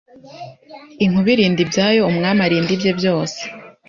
inkuba irinda ibyayo umwami arinda ibyebyose